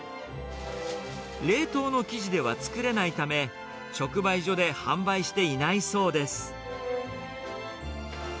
冷凍の生地では作れないため、直売所で販売していないそうです。